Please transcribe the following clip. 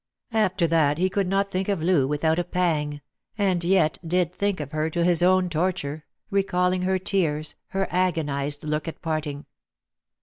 After that he could not think of Loo without a pang — and yet did think of her to his own torture — recalling her tears, her agonized look at parting.